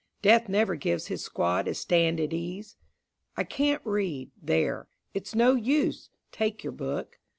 Death never gives his squad a Stand at ease. I can't read. There: it's no use. Take your book.